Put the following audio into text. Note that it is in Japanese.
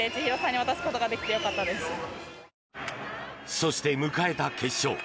そして、迎えた決勝。